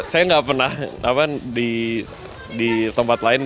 saya nggak pernah di tempat lain